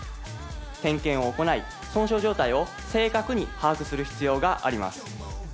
点検を行い損傷状態を正確に把握する必要があります。